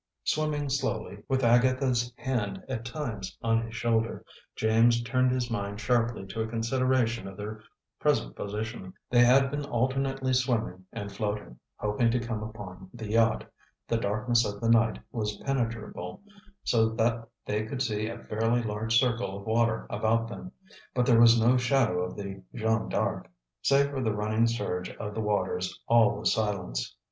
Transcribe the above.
Swimming slowly, with Agatha's hand at times on his shoulder, James turned his mind sharply to a consideration of their present position. They had been alternately swimming and floating, hoping to come upon the yacht. The darkness of the night was penetrable, so that they could see a fairly large circle of water about them, but there was no shadow of the Jeanne D'Arc. Save for the running surge of the waters, all was silence.